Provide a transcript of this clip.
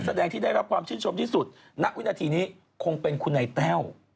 แสดงที่ได้รับความชื่นชมที่สุดณวินาทีนี้คงเป็นคุณนายแต้ว